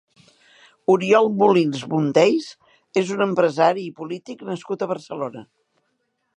Oriol Molins Monteys és un empresari i polític nascut a Barcelona.